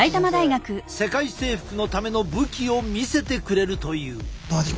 世界征服のための武器を見せてくれるという。